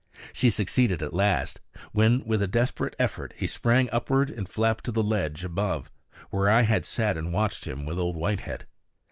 She succeeded at last, when with a desperate effort he sprang upward and flapped to the ledge above, where I had sat and watched him with Old Whitehead.